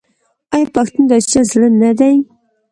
آیا پښتون د اسیا زړه نه دی؟